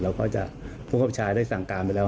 เราก็จะพูดความชายได้สั่งการไปแล้ว